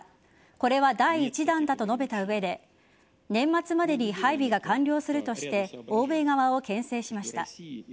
これは第１弾だと述べた上で年末までに配備が完了するとして欧米側をけん制しました。